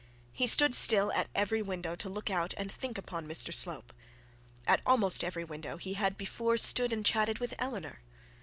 He stood still at every window to look out and think upon Mr Slope. At almost every window he had before stood and chatted with Eleanor.